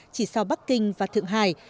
chỉ sau bắc kinh và thượng hải